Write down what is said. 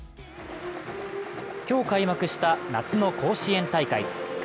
今日開幕した夏の甲子園大会。